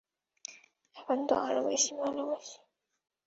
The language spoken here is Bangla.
এখন তো আরো বেশি ভালোবাসি।